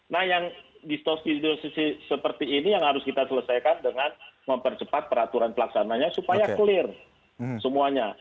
nah yang distorsi distorsi seperti ini yang harus kita selesaikan dengan mempercepat peraturan pelaksananya supaya clear semuanya